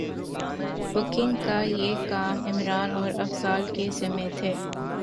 booking کا یہ کام عمران اور افضال کے ذمے تھے